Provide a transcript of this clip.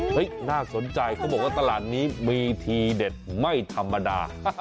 น่าสนใจเขาบอกว่าตลาดนี้มีทีเด็ดไม่ธรรมดา